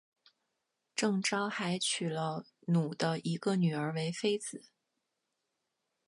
郑昭还娶了努的一个女儿为妃子。